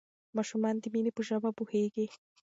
ماشومان د مینې په ژبه پوهیږي.